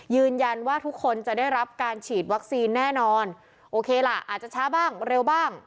ยืนยันว่าทุกคนจะได้รับการฉีดวัคซีนแน่นอนโอเคล่ะอาจจะช้าบ้างเร็วบ้าง